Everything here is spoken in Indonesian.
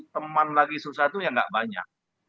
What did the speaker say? teman lagi susah itu ya nggak banyak